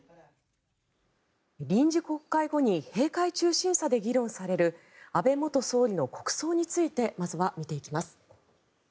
臨時国会後に閉会中審査で議論される安倍元総理の国葬についてまずは見ていきます。